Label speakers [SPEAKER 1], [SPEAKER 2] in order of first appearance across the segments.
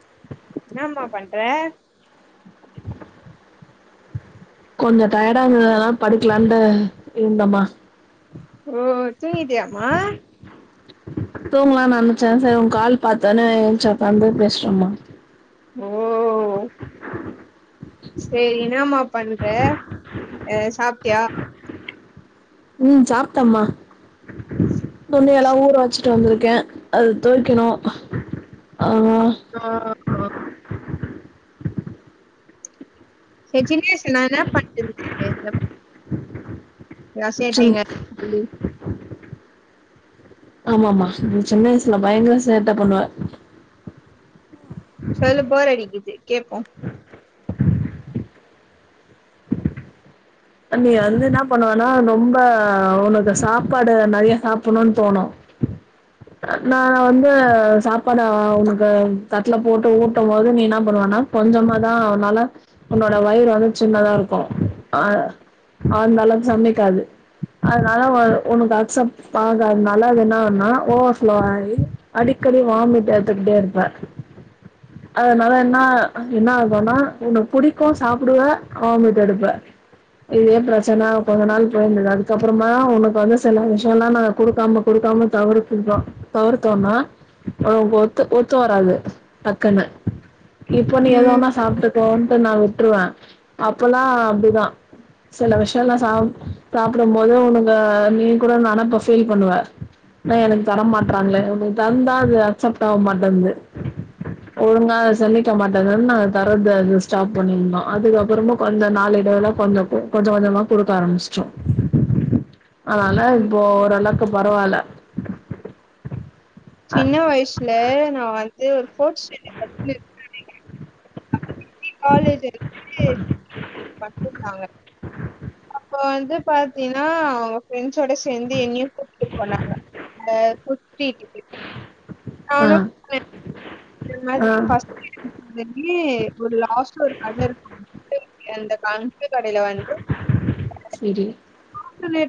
[SPEAKER 1] [unintelligible]
[SPEAKER 2] ன்னமா பண்றே
[SPEAKER 1] கொஞ்சோ டயர்டாருந்துது அதா படுக்கலாம்ன்டு இருந்தமா
[SPEAKER 2] ஓ தூங்கிட்டியா மா
[SPEAKER 1] தூங்கலான்னு நனச்சே சர் உங்க கால் பார்த்தன்னே என்ச்சி உக்காந்து பேசுறமா
[SPEAKER 2] ஓ செரி எனமா பண்ற எ சாப்ட்டியா
[SPEAKER 1] ம் சாப்பிட்டம்மா துணி எல்லா ஊற வச்சுட்டு வந்திருக்கே அது தொய்க்கனு
[SPEAKER 2] ஆ ஆ செ தினேஷ் நா நா பண்றது ராசியா
[SPEAKER 1] சின்-
[SPEAKER 2] அய்டிங்க
[SPEAKER 1] ஆமாமா இ சின்ன வயசுல பயங்கர சேட்ட பண்ணுவே
[SPEAKER 2] சொல்லு போர் அடிக்குது கேப்போ
[SPEAKER 1] நீ வந்து என்ன பண்ணுவானா ரொம்ப உனக்கு சாப்பாடு நெறைய சாப்புணுன்னு தோணு நா வந்து சாப்பாடு உனக்கு தட்ல போட்டு ஊட்டும் போது நீ என்ன பண்ணுவன்னா கொஞ்சமா தா உன்னால உன்னோட வயிறு வந்து சின்னதா இருக்கும் அ அந்தளவு செமிக்காது அதுனால உனக்கு அக்சப்ட் அகதனால அது என்னன்னா ஓவர்ஃப்ளோ ஆயி அடிக்கடி வாமிட் எடுத்துக்கிட்டே இருப்பே அதுனால என்ன என்ன ஆக்குன்னா உனக்கு புடிக்கும் சாப்புடுவே வாமிட் எடுப்ப இதே பிரச்சன கொஞ்ச நாள் போயிருந்தது அதுக்கப்புறமா உனக்கு வந்து செல விஷயம் எல்லா நாங்க குடுக்காம குடுக்காம தவிர்துக்கிட்டோம் தவிர்தோன்னா ஒனக் வந்து ஒத்து ஒத்து வராது டக்குனு இப்ப நீ என்ன
[SPEAKER 2] ம்
[SPEAKER 1] வேனா சாப்புடு போன்ட்டு நா விட்டுருவேன் அப்பலா அப்பிடிதா செல விஷயல்லா சாப்புடும் போது உனக்கு நீ கூட நனப்ப ஃபீல் பண்ணுவ நா எனக்கு தர மாட்டறாங்களே உனக்கு தந்தா அது அப்செப்ட் ஆவ மாட்டேன்து ஒழுங்கா செமிக்க மாட்டது நா தர்றது அது ஸ்டாப் பண்ணியிருந்தோம் அதுக்கப்புறமா கொஞ்ச நாள் எடய்ல கொஞ்ச ம் கொஞ்ச கொஞ்சமா குடுக்க ஆரம்பிச்சிட்டோ ஆனால இப்போ ஒர் அளவ் கு பரவால
[SPEAKER 2] சின்ன வயிசுல நா வாய் து ஒரு போர் சிடன்டட் படிச்சுனு இருப்பேன் நெனகிறே ஆல் ரெடி காலேஜ் இருக்கு படிச்சிருந்தாங்க அப்ப வந்து பாத்தீன்னா அவுங்க ஃப்ரண்ட்ஸோட சேந்து என்னையு கூட்டிட்டு போனாங்க அ புட் ஸ்டீட்டுக்கு
[SPEAKER 1] ஆ
[SPEAKER 2] இது மாரி
[SPEAKER 1] ஆ
[SPEAKER 2] பஸ்ட் இருக்க மாரியே ஒரு லாஸ்ட்ல ஒரு கடை இருக்கும் அந்த பேங்க் எந்த கடைல வந்து
[SPEAKER 1] செரி
[SPEAKER 2] நுங்குனே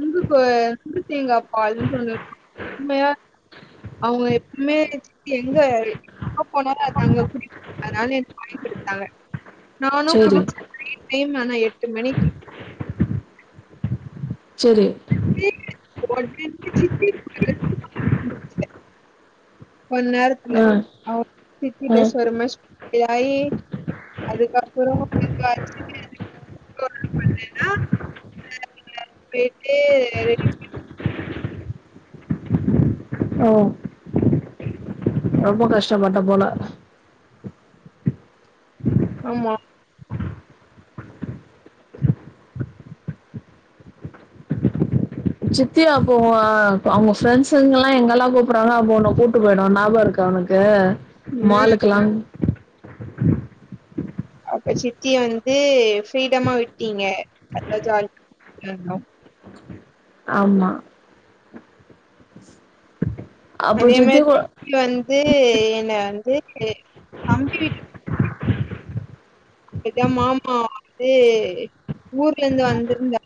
[SPEAKER 2] நுங்கு கு நுங்கு தேங்க பாலுன்டு ஒரு உண்மையா அவுங்க எப்பமே சித்தி எங்க எங்க போனாலும் அத அங்க குடிப்போ ஆனால எனக்கு வாங்குடு தாங்க நானு
[SPEAKER 1] செரி
[SPEAKER 2] குடிச்ச டைம் நேம் ஆனா எட்டு மணிக்கி
[SPEAKER 1] செரி
[SPEAKER 2] [unintelligible] ஒன் நேரத்துல
[SPEAKER 1] ஆ
[SPEAKER 2] அவன திட்டி
[SPEAKER 1] ஆ
[SPEAKER 2] பேசுவார் நா ஆயி அதுக்கப்புற [unintelligible] காப்பி கலர் பேக்கே ரெடி பணி குடு
[SPEAKER 1] ஓ ரொம்ப கஷ்ட பட்ட போல
[SPEAKER 2] ஆமா
[SPEAKER 1] சுத்தி பாப்போ அவுங்க ஃப்ரெண்ட்ஸுங்க எல்லா எங்கெல்லா கூப்புறாங்களோ அப்ப ஒன்ன கூட்டு போயிடுவோம் ஞாபம் இருக்கா ஒனக்கு
[SPEAKER 2] ம்
[SPEAKER 1] மாலுக்குலாம்
[SPEAKER 2] அப்ப சித்தி வந்து ப்ரீடமா விட்டீங்க அத்த ஜாலி ந நவ்
[SPEAKER 1] ஆமா அப்போ
[SPEAKER 2] அதே
[SPEAKER 1] சித்தி கூட
[SPEAKER 2] மாதிரி வந்து என்ன வந்து தம்பி வீட்டுக்கு இதா மாமாவா இதுஊர்ல இருந்து வந்திருந்தா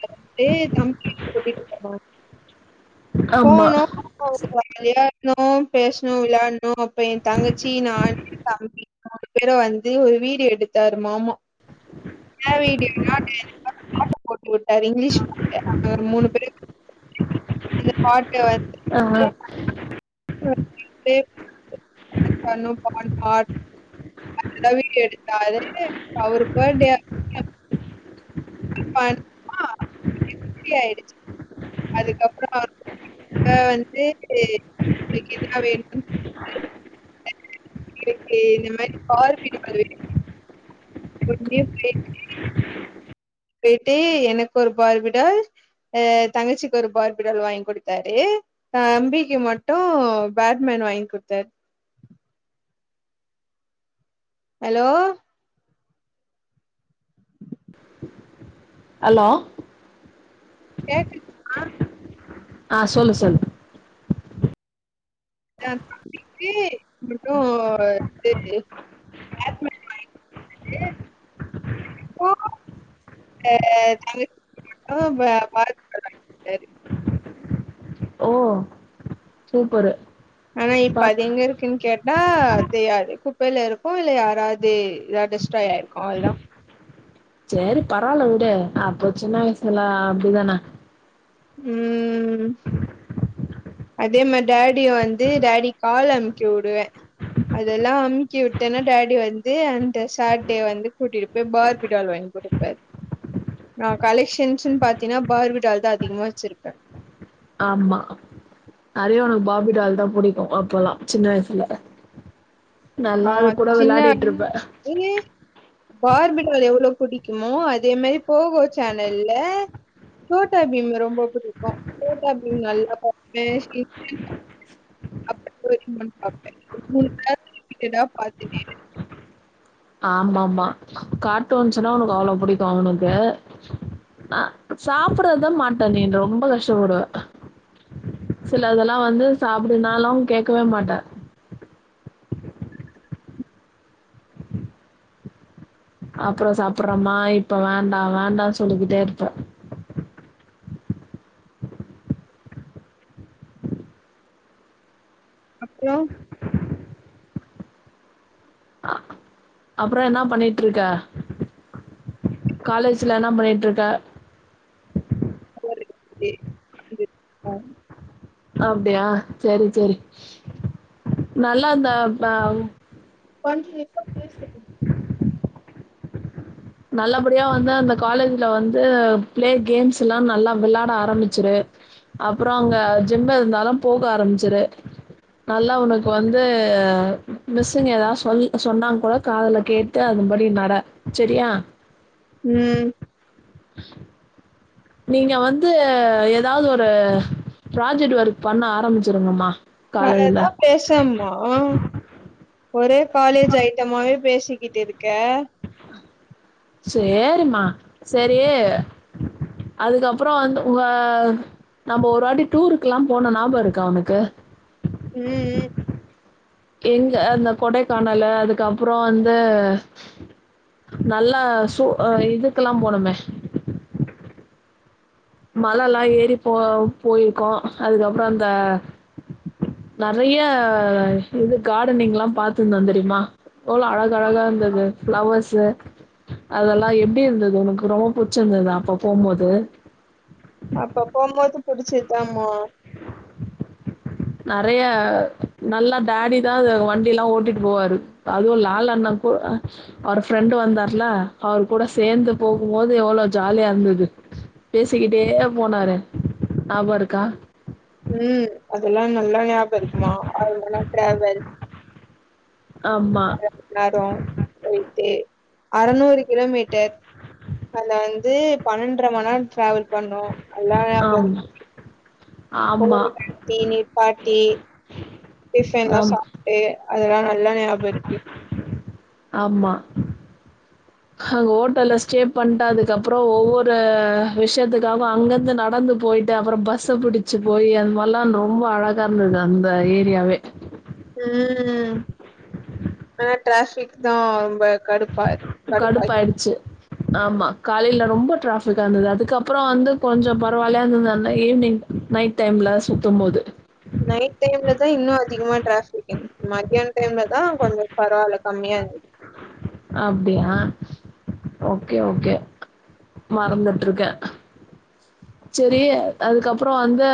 [SPEAKER 2] தம்பி வீட்டுக்கு கூட்டிட்டு போனாங்க
[SPEAKER 1] ஆமா
[SPEAKER 2] போனு அவுங்க வீட்டுக்கு விளாட நோ பேசணு விளாடணு இப்ப என் தங்கச்சி நானு தம்பி மூணு பேரு வந்து ஒரு வீடியோ எடுத்தாரு மாமா என்னா வீடியோனா டைரக்டா பாட்டு போட்டு விட்டாரு இங்கிலீஷ் பாட்டு மூணு பேரு அந்த பாட்டு வந்
[SPEAKER 1] ஆமா
[SPEAKER 2] [inaudible] வீடியோ எடுத்தாரு அவரு சேர்த்தே அன்னைக்கு [unintelligible] இப்டிஆயிச்சு அதுக்கப்றமா வந்து எனக்கு இதுதா வேணும்ன்னு [inaudible] எனக்கு இந்த மாரி பார்பி கேர்ல் வேணுன்னு உடனே போயிட்டு எனக்கு ஒரு பார்பிடால் அ தங்கச்சிக்கு ஒரு பார்பிடால் வாங்கி கொடுத்தாரு அ தம்பிக்கு மட்டு பேட்மேன் வாங்கி குடுத்தாரு ஹலோ
[SPEAKER 1] ஹலோ
[SPEAKER 2] கேக்குதா
[SPEAKER 1] ஆ சொல்லு சொல்லு
[SPEAKER 2] எ தம்பிக்கு மட்டு பேட்மிண்டன் வாங்கி குடுத்தாரு எனக்கு அ தங்கச்சி பிள்ளௌக்கு பார்பி டால் வாங்கி குடுத்தாரு
[SPEAKER 1] ஓ சூப்பரு
[SPEAKER 2] ஆனா இப்ப
[SPEAKER 1] ப
[SPEAKER 2] அது எங்க இருக்குன்னு கேட் ஆ தெரியாது குப்பையில இருக்கு இல்ல யாராவது இத டெஸ்டாய்ட்டு ஆயிருக்கு அவ்ளோதா
[SPEAKER 1] சரி பரவாயிலவுடு அப்ப சின்ன வயசுல எல்லா அப்டிதானே
[SPEAKER 2] ம் அதே மாதிரி டேடிய வந்து டேடி கால அமுக்கி விடுவே அதெல்லா அமுக்கி விட்டேன்னா டேடி வந்து அந்த சேட்டே வந்து கூட்டிட்டு போய் பார்பிடால் வாங்கி கொடுப்பரு நா கலெக்ஷன்ஸ்ன்னு பாத்தீன்னா பார்பிடால் தா அதிகமா வச்சிருப்பே
[SPEAKER 1] ஆமா யு பார்பிடால் தா புடிக்கு அப்பல்லா சின்ன வயசுல
[SPEAKER 2] ஆ
[SPEAKER 1] நல்லா அது கூட விளையாடிட்டு இருப்பே
[SPEAKER 2] பார்பிடால் எவ்வளவு புடிக்குமோ அதே மாதிரி போகோ சேனல்ல சோட்டா பீம் ரொம்ப பிடிக்கு சோட்டா பீம் நல்லா பாப்பே [unintelligible] [unintelligible] அப்பப்போ [inaudible] பாம்பே இந்த மூணு பேர் ரிப்பீடட்டா பாத்துட்டுருப்பே
[SPEAKER 1] ஆமா ஆமா கார்டூன்ஸ்ஸுன்னா அவனுக்கு அவ்ளோ பிடிக்கு அவனுக்கு ஆ சாப்படுறதுதா மாட்டே நீனு ரொம்ப கஷ்டப்படுவ சிலதுல்லா வந்து சாப்பிடனாலு கேட்கவே மாட்டே அப்புறோ சாப்பிடுறமா இப்ப வேண்டா வேண்டானு சொல்லிக்கிட்டே இருப்பே
[SPEAKER 2] அப்றோ
[SPEAKER 1] அப்புறோ என்ன பண்ணிட்டு இருக்க காலேஜ்ல என்ன பண்ணிட்டு இருக்க
[SPEAKER 2] [inaudible]
[SPEAKER 1] அப்டியா சரி சரி நல்லா இந்த பா
[SPEAKER 2] பஞ்சு [unintelligible]
[SPEAKER 1] நல்லபடியா வந்து அந்த காலேஜ்ல வந்து பிளே கேம்ஸ் எல்லா நல்லா விளாட ஆரம்பிச்சுரு அப்புறோ அங்க ஜிம்மு இருந்தாலு போக ஆரம்பிச்சிரு நல்லா உனக்கு வந்து மிஸ்ஸுங்க் ஏதாவது சொல்லி சொன்னா கூட காதல கேட்டு அது படி நட சரியா
[SPEAKER 2] ம்.
[SPEAKER 1] [inaudible] நீங்க வந்து ஏதாவது ஒரு ப்ராஜெக்ட் ஒர்க் பண்ண ஆரம்பிச்சிருங்கமா
[SPEAKER 2] வேற எதா பேசம்மா ஒரே காலேஜ் ஐட்டமாவே பேசிக்கிட்டு இருக்க
[SPEAKER 1] சேரிம்மா செரி அதுக்கப்புற வந்து உங்க நம்ம ஒரு வாட்டி டூருக்கெல்லா போனோ ஞாபக இருக்க ஓனக்கு
[SPEAKER 2] ம், ம்.
[SPEAKER 1] எங்க அந்த கொடைக்கானல அதுக்கப்புற வந்து நல்லா சு அ இதுக்கெல்லா போனோமே மல எல்லா ஏறி போ போயிருக்கோ அதுக்கப்புற அந்த நெறைய இது கார்டனிங் எல்லா பாத்திருந்தோ தெரியுமா எவ்வள அழக அழகா இருந்தது ஃப்ளவர்ஸ் அதெல்லா எப்டி இருந்தது உனக்கு ரொம்ப புடிச்சிருந்ததா அப்ப போம்போது
[SPEAKER 2] அப்ப போம்போது புடிச்சதுதாம்மா.
[SPEAKER 1] நெறைய நல்லா டேடி தா வண்டி எல்லா ஓட்டிட்டு போவாரு அதுவு லால் அண்ண கூ அவர் ஃப்ரெண்டு வந்தார்ல அவரு கூட சேந்து போகும்போது எவ்வள ஜாலியா இருந்தது பேசிக்கிட்டே போனாரு ஞாபக இருக்கா
[SPEAKER 2] ம் அதெல்லா ஞா நல்லா ஞாபக இருக்குமா அதனால ட்ரவல்
[SPEAKER 1] ஆமா.
[SPEAKER 2] நேரம் போயிட்டு அறநூறு கிலோமீட்டர் அந்த இது. பன்னெண் ஓண்ற மண் நேர டிராவல் பண்ணு எல்லா ஞாபக
[SPEAKER 1] ஆமா.
[SPEAKER 2] இருக்கு
[SPEAKER 1] ஆமா.
[SPEAKER 2] போத்தி நீ பாட்டி ப்பம்தா
[SPEAKER 1] ஆம்.
[SPEAKER 2] சாப்பே அதெல்லா நல்லா நியாப இருக்கு
[SPEAKER 1] ஆமா அங்க ஹோட்டல்ல ஸ்டே பண்ட் அதுக்கு அப்புற ஒவ்வொரு விஷயத்துக்காக அங்கந்து நடந்து போயிட்டு அப்புற பஸ்ஸ புடிச்சு போயி அந்த மாரிலா ரொம்ப அழகா இருந்தது அந்த ஏரியாவே
[SPEAKER 2] ம் ஆனா டிராபிக் தா ரொம்ப கடுப்பா கடுப்பா ஆயி
[SPEAKER 1] கடுப்பாயிடுச்சு. ஆமா காலையல ரொம்ப டிராபிக்கா இருந்தது அதுக்கப்புற வந்து கொஞ்ச பரவாயில்லாயே இருந்தந்தன்னா ஈவி்னிங் நைட் டைம்ல சுத்தும்போது
[SPEAKER 2] நைட் டைம்ல தா இன்னு அதிகமா டிராபிக் இ மத்யானம் டைம்ல தா கொஞ்ச பரவாயில்ல கம்மியா இருந்துச்சு
[SPEAKER 1] அப்டியா ஓகே ஓகே மறந்துட்டு இருக்கே செரி அதுக்கப்புற வந்து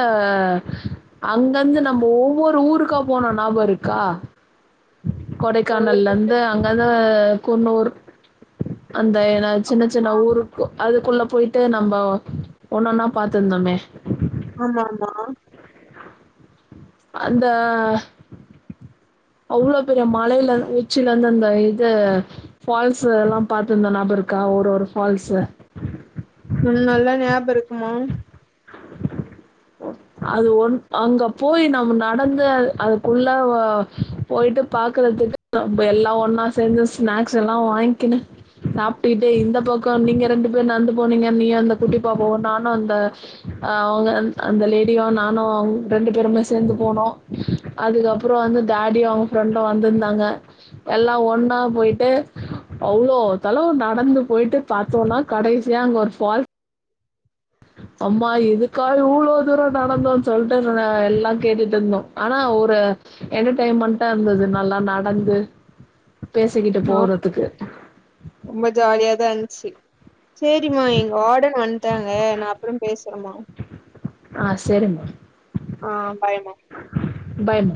[SPEAKER 1] அங்கருந்து நம்ம ஒவ்வொரு ஊருக்கா போன ஞாபக இருக்கா கொடைக்கானல்ல
[SPEAKER 2] உங்களுக்கு?
[SPEAKER 1] இருந்து அங் அத குன்னூர் அந்த என்ன சின்ன சின்ன ஊருக்கு அதுக்குள்ள போயிட்டு நம்ப ஒன்னு ஒன்னா பாத்துருந்தோமே
[SPEAKER 2] ஆம்மா ஆமா
[SPEAKER 1] அந்த அவ்ளோ பெரிய மலையல உச்சில இருந்து அந்த இது ஃபால்ஸ் எல்லா பாத்துருந்த ஞாபக இருக்கா ஒரு ஒரு ஃபால்ஸ்சு
[SPEAKER 2] ஆ
[SPEAKER 1] அது ஓன் அங்க போய் நம்ம நடந்து அது அதுக்குள்ள வ போயிட்டு பாக்குறதுக்கு எல்லா ஒன்னா சேந்து ஸ்நாக்ஸ் எல்லா வாங்கிக்கனுு சாப்ட்டுட்டு இந்த பக்க நீங்க ரெண்டு பேர் நடந்து போனீங்க நீ அந்த குட்டி பாப்ப ஒ நானு அந்த ஆ அவுங்க அந்த லே டி நானு ரெண்டு பேருமே சேந்து போனோ அதுக்கப்புற வந்து டேடியோ அவுங்க ஃப்ரெண்டோ வந்துருந்தாங்க எல்லா ஒன்னா போயிட்டு அவ்ளோ தளவு நடந்து போயிட்டு பாத்தோனா கடைசியா அங்க ஒரு ஃபால் ஆமா இதுக்காக இவ்ளோ தூர நடந்தோன் சொல்ட்டு எல்லா கேட்டுட்டு இருந்தோ ஆனா ஒரு என்டர்டெயன்மெண்டா இருந்தது நல்லா நடந்து பேசிக்கிட்டு
[SPEAKER 2] ஆம்
[SPEAKER 1] போறதுக்கு.
[SPEAKER 2] ரொம்ப ஜாலியாதன் ச்சி சேரிம்மா எங்க வாடன் வன்ட்டாங்க நா அப்புரோ பேசறேம்மா
[SPEAKER 1] ஆ செரிமா
[SPEAKER 2] பாய்ம்மா.
[SPEAKER 1] பாய் மா